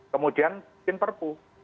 kemudian tim perpu